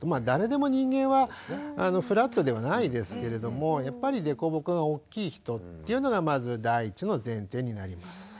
誰でも人間はフラットではないですけれどもやっぱり凸凹が大きい人というのがまず第一の前提になります。